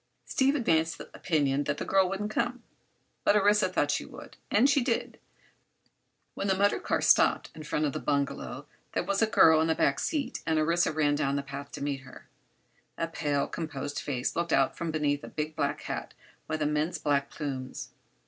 Steve advanced the opinion that the girl wouldn't come, but Orissa thought she would. And she did. When the motor car stopped in front of the bungalow there was a girl in the back seat and Orissa ran down the path to welcome her. A pale, composed face looked out from beneath a big black hat with immense black plumes.